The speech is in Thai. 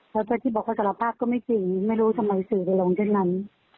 แล้วก็ที่บอกว่าสารภาพก็ไม่จริงไม่รู้ทำไมสื่อไปลงเช่นนั้น